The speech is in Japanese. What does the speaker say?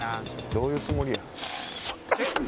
どういうつもりや？